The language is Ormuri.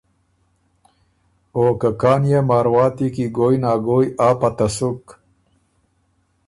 او که کان يې مارواتی کی ګوی نا ګوی آ پته سُک